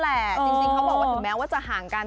แหละจริงเขาบอกว่าถึงแม้ว่าจะห่างกัน